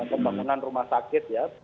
pembangunan rumah sakit ya